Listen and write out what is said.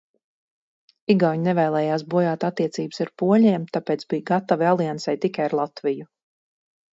Igauņi nevēlējās bojāt attiecības ar poļiem, tāpēc bija gatavi aliansei tikai ar Latviju.